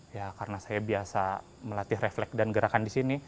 ya karena saya biasa melatih refleks dan gerakan di sini